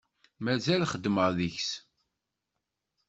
Mazal xeddmeɣ deg-s.